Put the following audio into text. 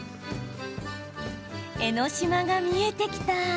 江ノ島が見えてきた！